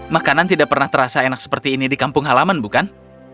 makanan tidak pernah terasa enak seperti ini di kampung halaman bukan